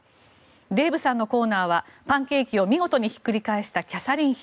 デーブさんのコーナーはパンケーキを見事にひっくり返したキャサリン妃。